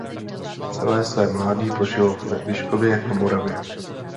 Celé své mládí prožil ve Vyškově na Moravě.